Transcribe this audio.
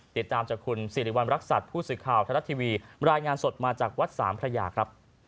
ติดตามจากคุณสิริวัณรักษัตริย์ผู้สื่อข่าวไทยรัฐทีวีรายงานสดมาจากวัดสามพระยาครับ